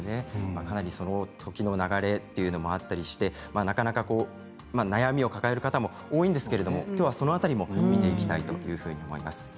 時の流れというのもあったりして、悩みを抱える方も多いんですけれどきょうはその辺りも見ていきたいと思います。